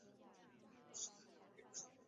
栖息地包括亚热带或热带的干燥疏灌丛。